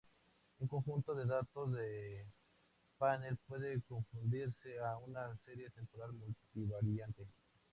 Un conjunto de datos de panel puede confundirse con una serie temporal multivariante.